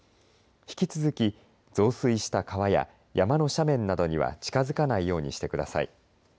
引き続き、増水した川や山の斜面などには近づかないようにしてください。